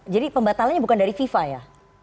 pembatalannya bukan dari fifa ya